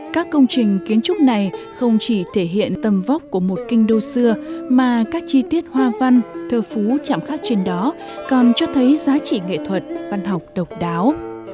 các công trình kiến trúc này không chỉ thể hiện tầm vóc của một kinh đô xưa mà các chi tiết hoa văn thơ phú chạm khắc trên đó còn cho thấy giá trị nghệ thuật văn học độc đáo